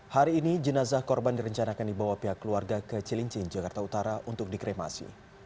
hari ini jenazah korban direncanakan dibawa pihak keluarga ke cilincing jakarta utara untuk dikremasi